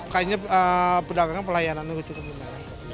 kayaknya pedagangnya pelayanan nya cukup murah